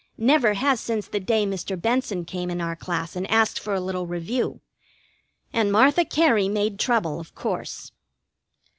Never has since the day Mr. Benson came in our class and asked for a little review, and Martha Cary made trouble, of course.